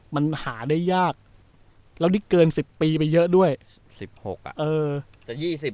มันหาได้ยากแล้วได้เกินสิบปีไปเยอะด้วยสิบหกอ่ะเออจะยี่สิบ